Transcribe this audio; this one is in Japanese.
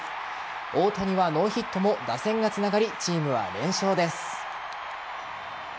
大谷はノーヒットも打線がつながりチームは連勝です。